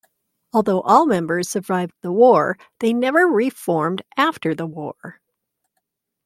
Although all members survived the war, they never re-formed after the war.